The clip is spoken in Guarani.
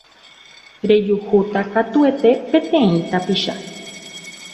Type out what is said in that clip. rejuhúta katuete peteĩ tapicha.